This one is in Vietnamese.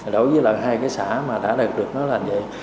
đối với là hai cái xã mà đã được nó là vậy